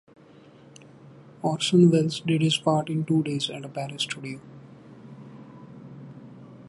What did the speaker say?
Orson Welles did his part in two days at a Paris studio.